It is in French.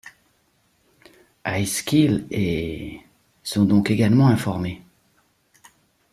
Heiskill et sont donc également informés.